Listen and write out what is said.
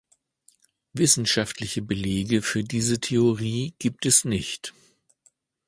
Wissenschaftliche Belege für diese Theorie gibt es nicht.